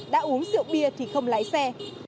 đã uống rượu bia thì không lái xe